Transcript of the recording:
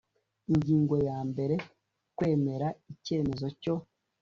ingingo ya mbere kwemera icyemezo cyo